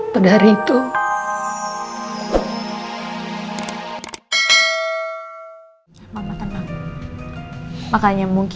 pada hari itu